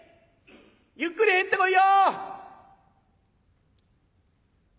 ゆっくり入ってこいよ！」。